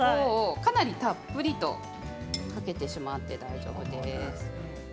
かなりたっぷりとかけてしまって大丈夫です。